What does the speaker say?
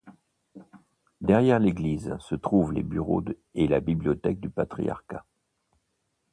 Derrière l'église se trouvent les bureaux et la bibliothèque du patriarcat.